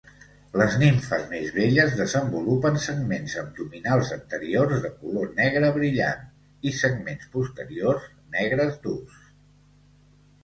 Les nimfes més velles desenvolupen segments abdominals anteriors de color negre brillant i segments posteriors negres durs.